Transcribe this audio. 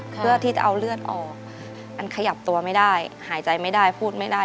เพื่อที่จะเอาเลือดออกอันขยับตัวไม่ได้หายใจไม่ได้พูดไม่ได้